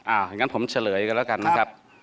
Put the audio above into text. อย่างนั้นผมเฉลยกันแล้วกันนะครับ